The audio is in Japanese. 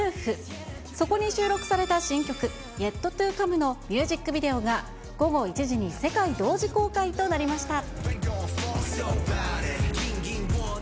そこに収録された新曲、イエット・トゥ・カムのミュージックビデオが午後１時に世界同時公開となりました。